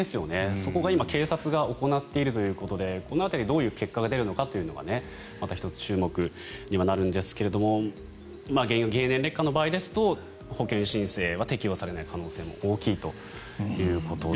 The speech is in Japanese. そこが今警察が行っているということでこの辺りがどういう結果が出るのかというのがまた１つ注目にはなるんですが原因が経年劣化の場合ですと保険申請は適用されない可能性も大きいということで。